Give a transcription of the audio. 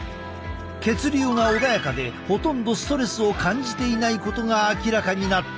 血流が穏やかでほとんどストレスを感じていないことが明らかになった！